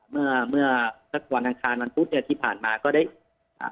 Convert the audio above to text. เมื่อเมื่อสักวันอังคารวันพุธเนี้ยที่ผ่านมาก็ได้อ่า